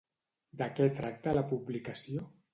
De què tracta la publicació?